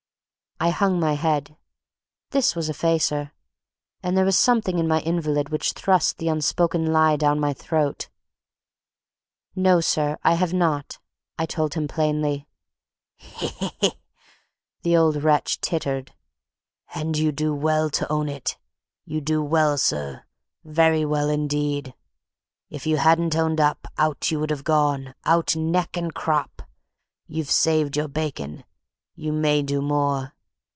I hung my head. This was a facer. And there was something in my invalid which thrust the unspoken lie down my throat. "No, sir, I have not," I told him plainly. "He, he, he!" the old wretch tittered; "and you do well to own it; you do well, sir, very well indeed. If you hadn't owned up, out you would have gone, out neck and crop! You've saved your bacon. You may do more.